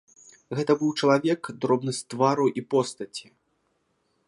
Гэта быў чалавек, дробны з твару і постаці.